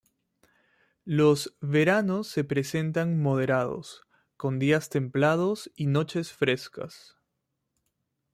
Los veranos se presentan moderados, con días templados y noches frescas.